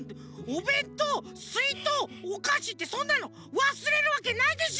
おべんとうすいとうおかしってそんなのわすれるわけないでしょ！